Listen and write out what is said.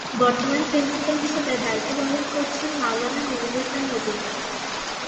বর্তমানে প্রিন্সিপাল হিসাবে দায়িত্ব পালন করছেন মাওলানা নুরুল ইসলাম মজুমদার।